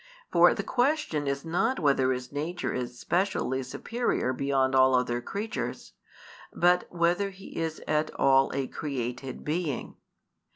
For the question is not whether His nature is specially superior beyond all other creatures, but whether He is at all a created being.